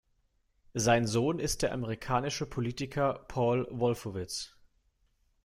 Sein Sohn ist der amerikanische Politiker Paul Wolfowitz.